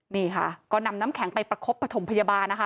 นี่ค่ะก็นำน้ำแข็งไปประคบประถมพยาบาลนะคะ